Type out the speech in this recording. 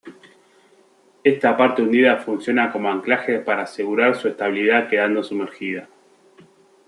Esta parte hundida funciona como anclaje para asegurar su estabilidad quedando sumergida.